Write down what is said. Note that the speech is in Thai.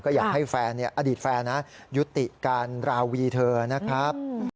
อยากให้แฟนอดีตแฟนนะยุติการราวีเธอนะครับ